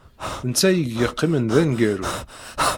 D netta ay yeqqimen d aneggaru.